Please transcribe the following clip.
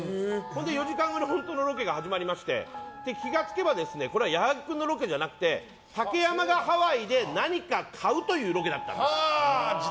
４時間後に本当のロケが始まりまして気が付けば矢作君のロケじゃなくて竹山がハワイで何か買うというロケだったんです。